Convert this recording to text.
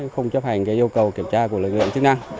không chấp hành yêu cầu kiểm tra của lực lượng chức năng